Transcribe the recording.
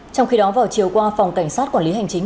trong khi đó vào chiều qua phòng cảnh sát quản lý hành chính